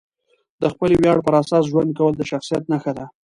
د خپلې ویاړ پر اساس ژوند کول د شخصیت نښه ده.